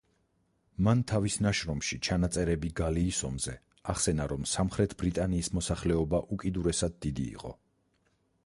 მან თავის ნაშრომში „ჩანაწერები გალიის ომზე“ ახსენა, რომ სამხრეთ ბრიტანიის მოსახლეობა უკიდურესად დიდი იყო.